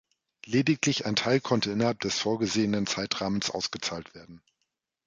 Lediglich ein Teil konnte innerhalb des vorgesehen Zeitrahmens ausgezahlt werden.